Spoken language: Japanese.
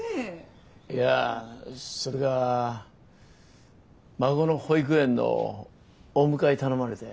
いやそれが孫の保育園のお迎え頼まれて。